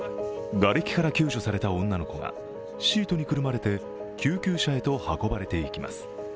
がれきから救助された女の子がシートにくるまれて救急車へと運ばれていきます。